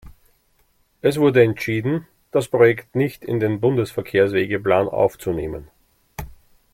Es wurde entschieden, das Projekt nicht in den Bundesverkehrswegeplan aufzunehmen.